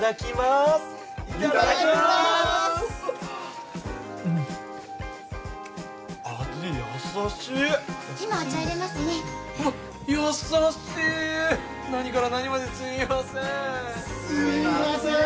すいません。